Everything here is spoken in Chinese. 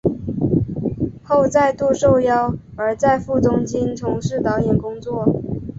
后再度受邀而再赴东京从事导演工作。